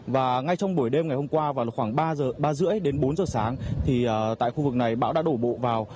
và ngay trong buổi đêm ngày hôm qua vào khoảng ba h ba mươi đến bốn h sáng thì tại khu vực này bão đã đổ bộ vào